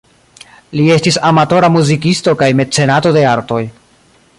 Li estis amatora muzikisto kaj mecenato de artoj.